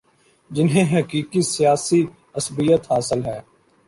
جنہیں حقیقی سیاسی عصبیت حاصل ہے